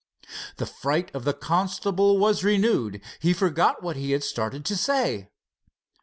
The fright of the constable was renewed. He forgot what he had started to say.